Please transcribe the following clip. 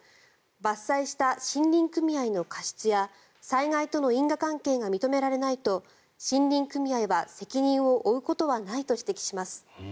伐採した森林組合の過失や災害との因果関係が認められないと、森林組合は責任を負うことはないと指摘します。